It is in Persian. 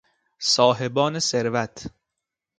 صاحبان ثروت